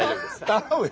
頼むよ。